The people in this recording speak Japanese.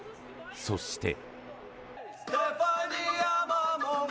そして。